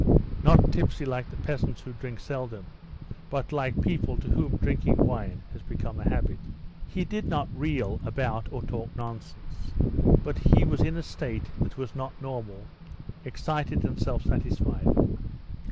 Not tipsy like the peasants who drink seldom, but like people to whom drinking wine has become a habit. He did not reel about or talk nonsense, but he was in a state that was not normal; excited and self satisfied.